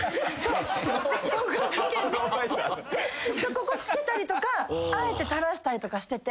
ここつけたりとかあえて垂らしたりとかしてて。